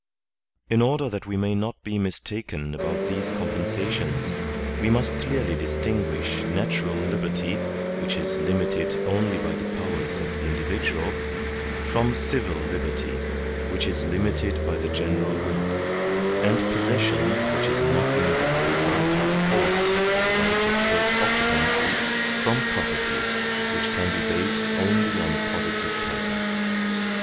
In ' i8 THE SOCIAL CONTRACT order that we may not be mistaken about these com pensations, we must clearly distinguish natural liberty, which is limited only by the powers of the individual, from civil liberty, which is limited by the general will; and possession, which is nothing but the result of force or the right of first occupancy, from property, which can be based only on a positive title.